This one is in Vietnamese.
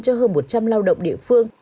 cho hơn một trăm linh lao động địa phương